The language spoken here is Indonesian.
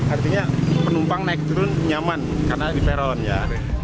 artinya penumpang naik turun nyaman karena di peron ya